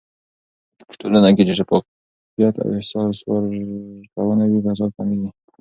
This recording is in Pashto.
په ټولنه کې چې شفافيت او حساب ورکونه وي، فساد کمېږي.